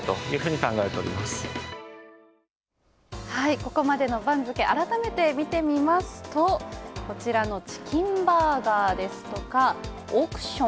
ここまでの番付、改めて見てみますとチキンバーガーですとか億ション。